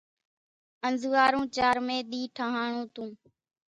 انزوئارو چارمي ۮي ٺۿاڻون تون